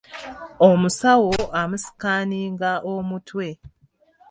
Omusawo amusikaaninga omutwe.